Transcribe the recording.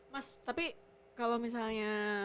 mas tapi kalau misalnya